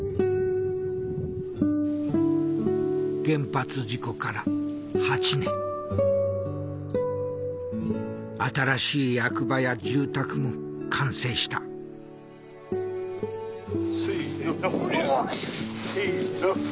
原発事故から８年新しい役場や住宅も完成したせのよいしょ！